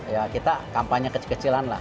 ya kita kampanye kecil kecilan lah